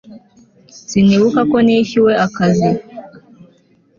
sinibuka ko nishyuwe akazi